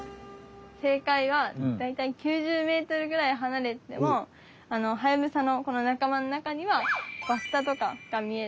正解はだいたい９０ｍぐらい離れててもハヤブサのこのなかまのなかにはバッタとかが見える。